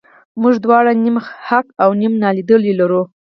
موږ دواړه نیم حق او نیم نالیدلي لرو.